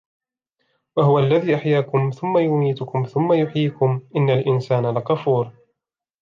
وَهُوَ الَّذِي أَحْيَاكُمْ ثُمَّ يُمِيتُكُمْ ثُمَّ يُحْيِيكُمْ إِنَّ الْإِنْسَانَ لَكَفُورٌ